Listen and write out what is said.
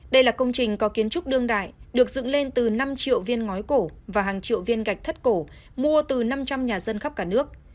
đây là công trình có kiến trúc đương đại được dựng lên từ năm triệu viên ngói cổ và hàng triệu viên gạch thất cổ mua từ năm trăm linh nhà dân khắp cả nước